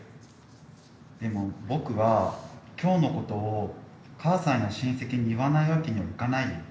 でも僕は今日のことを母さんや親戚に言わないわけにはいかないよ。